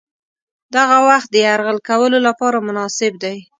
دغه وخت د یرغل کولو لپاره مناسب دی.